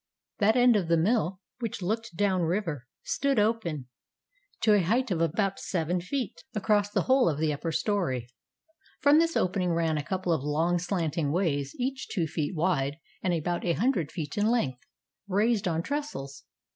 That end of the mill which looked down river stood open, to a height of about seven feet, across the whole of the upper story. From this opening ran a couple of long slanting ways each two feet wide and about a hundred feet in length, raised on trestles.